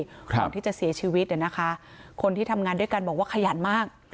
บอกว่าจะเสียชีวิตคนที่ทำงานด้วยกันบอกว่าขยันมาก